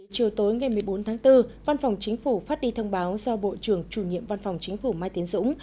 chiều tối ngày một mươi bốn tháng bốn văn phòng chính phủ phát đi thông báo do bộ trưởng chủ nhiệm văn phòng chính phủ mai tiến dũng